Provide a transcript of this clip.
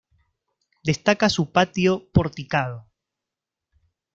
Destaca su patio porticado.